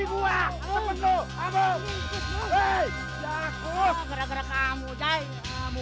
ibu kita mau ketemu lagi sama jamu